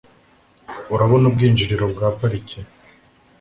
Urabona ubwinjiriro bwa parike?